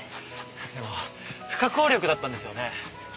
でも不可抗力だったんですよね？